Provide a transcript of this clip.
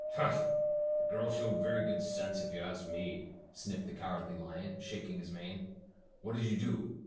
"Humph, the girl showed very good sense, if you ask me," sniffed the Cowardly Lion, shaking his mane, "What did you do?